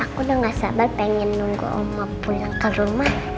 aku udah gak sabar pengen nunggu oma pulang ke rumah